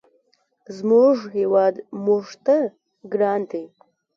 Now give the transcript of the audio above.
زموږ هېواد موږ ته ګران دی.